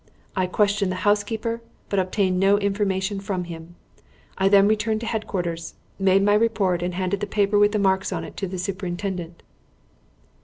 I questioned the housekeeper, but obtained no information from him. I then returned to headquarters, made my report and handed the paper with the marks on it to the Superintendent."